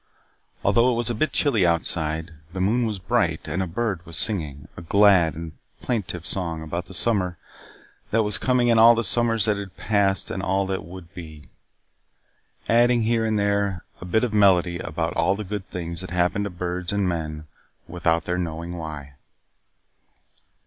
Although it was a bit chilly outside, the moon was bright and a bird was singing a glad and plaintive song about the summer that was coming and all the summers that had passed and all that would be. Adding, here and there, a bit of melody about all the good things that happen to birds and men without their knowing why.